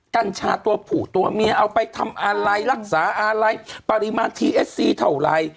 กัญชาตัวผูตัวเมียเอาไปทำอะไรรักษาอะไรปริมาณทีเอสซีเท่าไร